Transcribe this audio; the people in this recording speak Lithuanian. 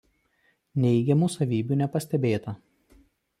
Neigiamų savybių nepastebėta.